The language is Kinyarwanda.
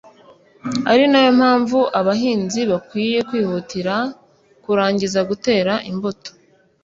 ari na yo mpamvu abahinzi bakwiye kwihutira kurangiza gutera imbuto